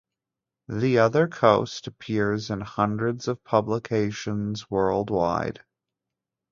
The Other Coast appears in hundreds of publications, worldwide.